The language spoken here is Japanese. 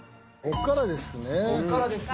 こっからですよ。